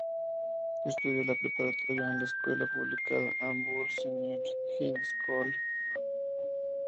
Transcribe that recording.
Estudió la preparatoria en la escuela pública Auburn Senior High School.